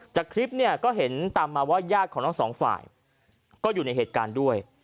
จากคลิปเนี่ยก็เห็นตามมาว่าญาติของทั้งสองฝ่ายก็อยู่ในเหตุการณ์ด้วย